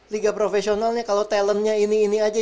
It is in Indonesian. liga profesionalnya kalau talentnya ini ini aja